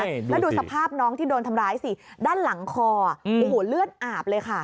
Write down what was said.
แล้วดูสภาพน้องที่โดนทำร้ายสิด้านหลังคอโอ้โหเลือดอาบเลยค่ะ